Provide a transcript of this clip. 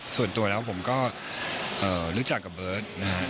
ส่วนตัวแล้วผมก็รู้จักกับเบิร์ตนะฮะ